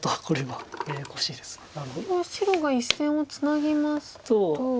これは白が１線をツナぎますと。